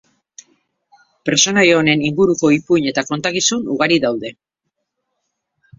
Pertsonaia honen inguruko ipuin eta kontakizun ugari daude.